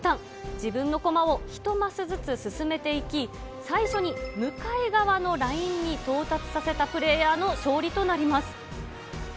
自分のコマを１マスずつ進めていき、最初に向かい側のラインに到達させたプレーヤーの勝利となります。